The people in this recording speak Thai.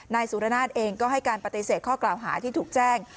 นายสุรนาศเองก็ให้การปฏิเสธข้อกล่าวหาที่ถูกแจ้ง